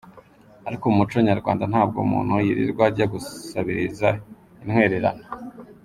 Ariko mu muco nyarwanda ntabwo umuntu yirirwa ajya gusabiriza intwererano.